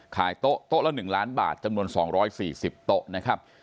ขายโต๊ะโต๊ะละหนึ่งล้านบาทจำนวนสองร้อยสี่สิบโต๊ะนะครับ